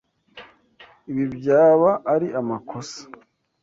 Ibi byaba ari amakosa.